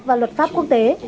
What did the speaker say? và luật pháp quốc tế